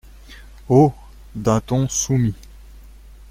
Haut, d’un ton soumis.